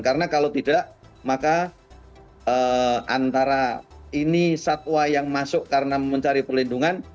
karena kalau tidak maka antara ini satwa yang masuk karena mencari perlindungan